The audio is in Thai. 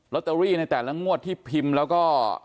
ตเตอรี่ในแต่ละงวดที่พิมพ์แล้วก็